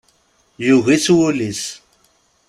Yugi-tt wul-is.